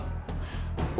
untuk cari reno